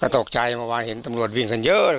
ตกใจเมื่อวานเห็นตำรวจวิ่งกันเยอะเลย